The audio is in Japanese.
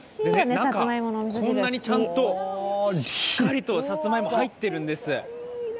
中、こんなにちゃんと、しっかりとさつまいも入っているんです。